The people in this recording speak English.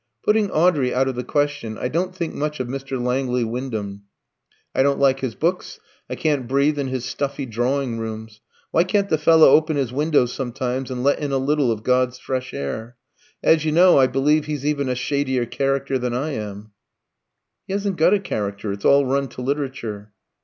"Putting Audrey out of the question, I don't think much of Mr. Langley Wyndham. I don't like his books; I can't breathe in his stuffy drawing rooms. Why can't the fellow open his windows sometimes and let in a little of God's fresh air? As you know, I believe he's even a shadier character than I am." "He hasn't got a character; it's all run to literature."